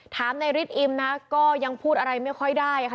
ถามนายฤทธิอิมนะก็ยังพูดอะไรไม่ค่อยได้ค่ะ